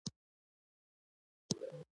موږ ډوډۍ خورو